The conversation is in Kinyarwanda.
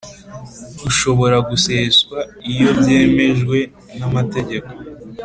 ushobora guseswa iyo byemejwe na mategeko